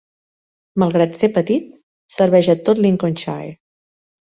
Malgrat ser petit, serveix a tot Linconshire.